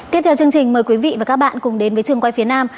chương trình mời quý vị và các bạn cùng đến với trường quay phía nam